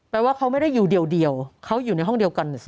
ว่าเขาไม่ได้อยู่เดียวเขาอยู่ในห้องเดียวกันสิ